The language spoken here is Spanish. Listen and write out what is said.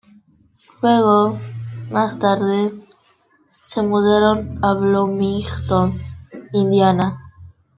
Luego, más tarde, se mudaron a Bloomington, Indiana.